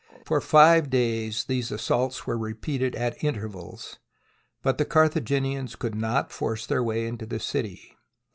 For five days these assaults were repeated at intervals, but the Carthaginians could not force their way into the city.